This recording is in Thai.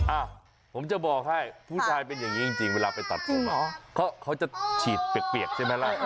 อ่ะผมจะบอกให้ผู้ชายเป็นอย่างนี้จริงเวลาไปตัดผมเขาจะฉีดเปียกใช่ไหมล่ะ